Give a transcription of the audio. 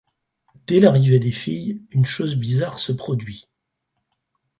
Dès l’arrivée des filles, une chose bizarre se produit.